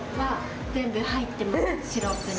シロップに。